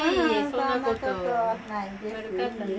そんなことはないです。